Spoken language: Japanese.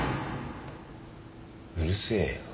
うるせえよ。